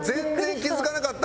気付かなかった。